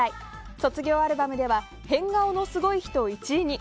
卒業アルバムでは変顔のすごい人で１位に。